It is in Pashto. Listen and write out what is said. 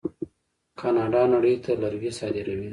کاناډا نړۍ ته لرګي صادروي.